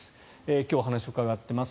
今日、お話を伺っています